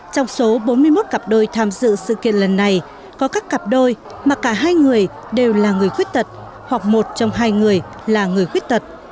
trong số bốn mươi một cặp đôi tham dự sự kiện lần này có các cặp đôi mà cả hai người đều là người khuyết tật hoặc một trong hai người là người khuyết tật